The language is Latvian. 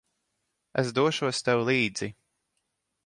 Es došos tev līdzi.